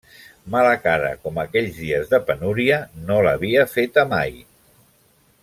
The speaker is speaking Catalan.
Mala cara com aquells dies de penúria, no l'havia feta mai.